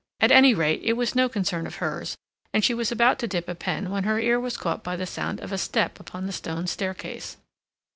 At any rate, it was no concern of hers, and she was about to dip a pen when her ear was caught by the sound of a step upon the stone staircase.